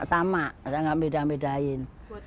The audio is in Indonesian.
sama saya nggak beda bedain